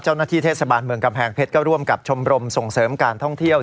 เจ้าหน้าที่เทศบาลเมืองกำแพงเพชรก็ร่วมกับชมรมส่งเสริมการท่องเที่ยว